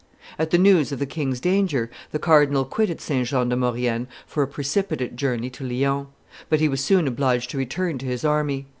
At the news of the king's danger, the cardinal quitted St. Jean de Maurienne for a precipitate journey to Lyons; but he was soon obliged to return to his army.